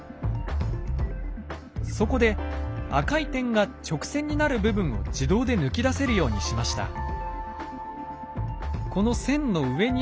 そこで赤い点が直線になる部分を自動で抜き出せるようにしました。